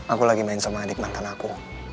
aku lagi main sama adik mantan aku